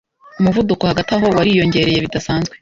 umuvuduko hagati aho wariyongereye bidasanzwe.